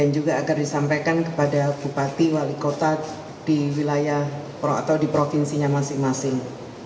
juga akan disampaikan kepada bupati wali kota di wilayah atau di provinsinya masing masing